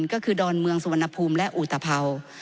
ก็คือดอนเมืองสวนภูมิและอุตพราว